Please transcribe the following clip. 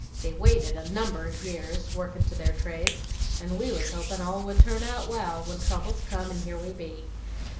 They waited a number o' years, workin' to their trades, and we was hopin' all would turn out wal, when troubles come, and here we be.